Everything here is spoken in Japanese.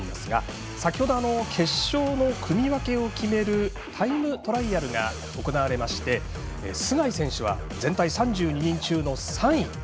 先ほど、決勝の組み分けを決めるタイムトライアルが行われまして須貝選手は全体３２人中の３位。